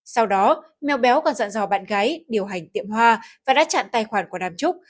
sau đó mèo béo còn dặn dò bạn gái điều hành tiệm hoa và đã chặn tài khoản của đàm trúc